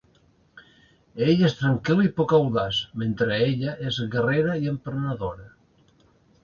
Ell és tranquil i poc audaç, mentre ella és guerrera i emprenedora.